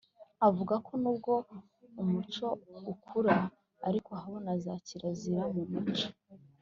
avuga ko n’ubwo umuco ukura ariko habaho na za kirazira m’umuco.